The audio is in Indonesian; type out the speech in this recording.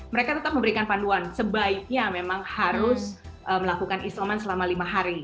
mereka tetap memberikan panduan sebaiknya memang harus melakukan isoman selama lima hari